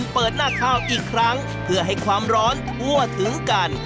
เพื่อให้ความร้อนววถึงกัน